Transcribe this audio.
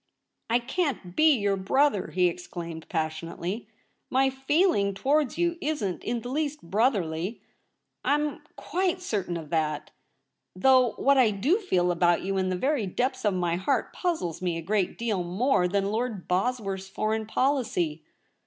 ' I can't be your brother !' he exclaimed passionately. ' My feeling towards you isn't in the least brotherly, I'm quite certain of that ; though what I do feel about you in the very depths of my heart puzzles me a great deal more than Lord Bosworth's foreign policy.